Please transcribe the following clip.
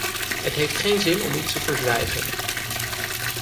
Het heeft geen zin om iets te verzwijgen.